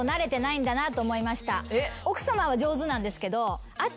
奥さまは上手なんですけどあっ